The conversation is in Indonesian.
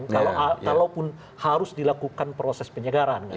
kalaupun harus dilakukan proses penyegaran